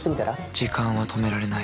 時間は止められない。